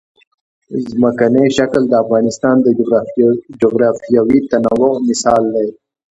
ځمکنی شکل د افغانستان د جغرافیوي تنوع مثال دی.